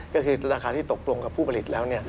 ก็คือราคาที่ตกลงกับผู้ผลิตแล้ว